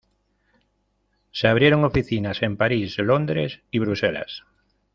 Se abrieron oficinas en París, Londres y Bruselas.